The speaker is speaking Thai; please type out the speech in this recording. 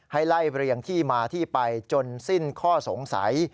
ไล่เรียงที่มาที่ไปจนสิ้นข้อสงสัย